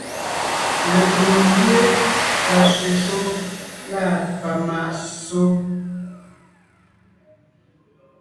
Lecwòŋo ndíe, pasẅɛ̀ shúm lâ pamàʼ ssó;